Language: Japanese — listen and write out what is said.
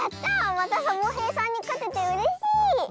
またサボへいさんにかててうれしい！